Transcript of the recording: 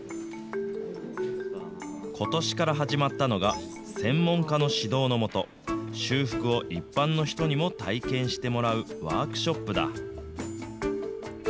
ことしから始まったのが、専門家の指導の下、修復を一般の人にも体験してもらうワークショップだ。